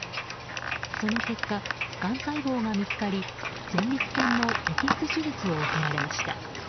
その結果、がん細胞が見つかり前立腺の摘出手術を受けられました。